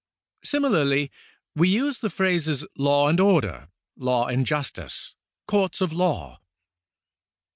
Simi larly we use the phrases law and order, law and justice, courts of law.